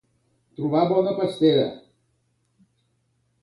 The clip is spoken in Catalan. Trobar bona pastera.